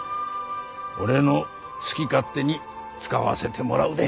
俺の好き勝手に使わせてもらうで。